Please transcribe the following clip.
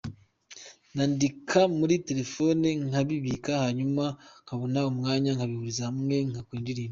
Nandika muri telefone nkabibika hanyuma nazabona umwanya nkabihuriza hamwe ngakora indirimbo”.